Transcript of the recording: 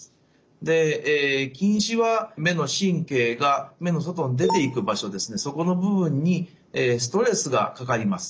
で近視は目の神経が目の外に出ていく場所ですねそこの部分にストレスがかかります。